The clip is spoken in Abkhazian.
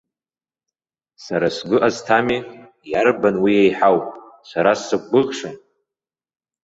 Сара сгәы азҭами, иарбан уи еиҳау, сара сзықәгәыӷша!